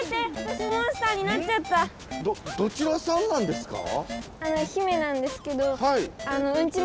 どちらさんなんですか？